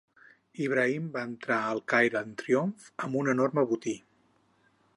Ibrahim va entrar al Caire en triomf amb un enorme botí.